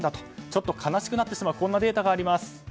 ちょっと悲しくなってしまうこんなデータがあります。